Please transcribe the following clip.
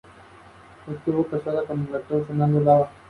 Se creía que era la entrada al inframundo, a los Infiernos.